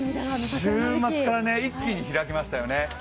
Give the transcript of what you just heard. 週末から一気に開きましたよね。